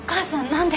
何で？